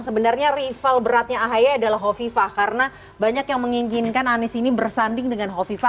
sebenarnya rival beratnya ahi adalah hovifa karena banyak yang menginginkan anies ini bersanding dengan hovifa